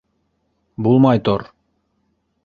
Булмай тор!